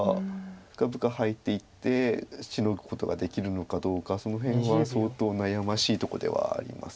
深々入っていってシノぐことができるのかどうかその辺は相当悩ましいとこではあります。